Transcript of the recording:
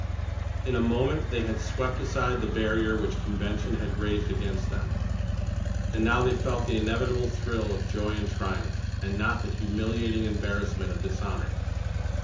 In a moment they had swept aside the barrier which convention had raised against them, and now they felt the inevitable thrill of joy and triumph, and not the humiliating embarrassment of dishonor.